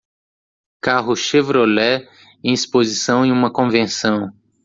Carro Chevrolet em exibição em uma convenção